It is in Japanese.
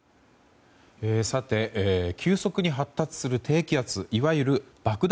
急速に発達する低気圧いわゆる爆弾